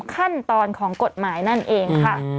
ขั้นตอนของกฎหมายนั่นเองค่ะ